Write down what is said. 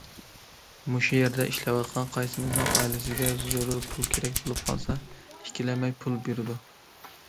مۇشۇ يەردە ئىشلەۋاتقان قايسىمىزنىڭ ئائىلىسىگە زۆرۈر پۇل كېرەك بولۇپ قالسا، ئىككىلەنمەي پۇل بېرىدۇ.